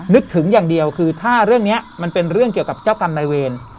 นึกถึงอย่างเดียวคือถ้าเรื่องนี้มันเป็นเรื่องเกี่ยวกับเจ้ากรรมนายเวร